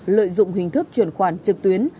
lợi dụng hình thức truyền khoản trực tuyến